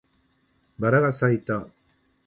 バラが咲いた